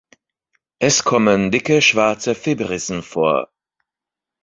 Es kommen dicke schwarze Vibrissen vor.